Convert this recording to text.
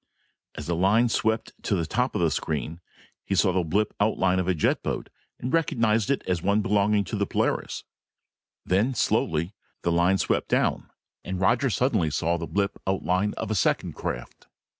As the line swept to the top of the screen, he saw the blip outline of a jet boat and recognized it as one belonging to the Polaris. Then, slowly, the line swept down and Roger suddenly saw the blip outline of a second craft.